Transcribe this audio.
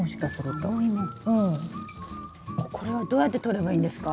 これはどうやってとればいいんですか？